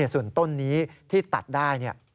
ส่วนต้นนี้ที่ตัดได้